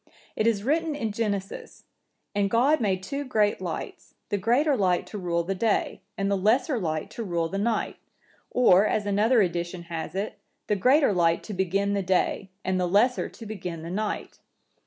It is written in Genesis,(967) 'And God made two great lights; the greater light to rule the day, and the lesser light to rule the night.' Or, as another edition(968) has it, 'The greater light to begin the day, and the lesser to begin the night.